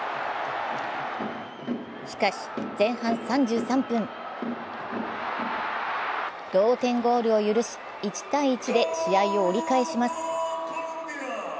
しかし、前半３３分同点ゴールを許し、１−１で試合を折り返します。